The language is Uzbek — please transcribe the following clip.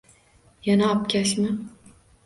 Yana obkashmi?